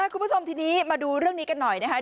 คุณผู้ชมทีนี้มาดูเรื่องนี้กันหน่อยนะคะ